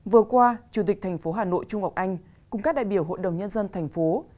vừa qua chủ tịch tp hcm trung ngọc anh cùng các đại biểu hội đồng nhân dân tp hcm